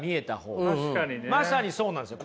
まさにそうなんですよ。